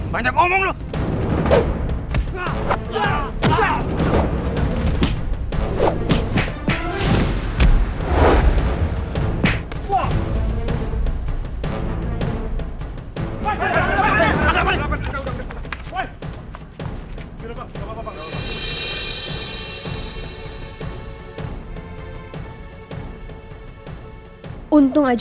banyak omong lu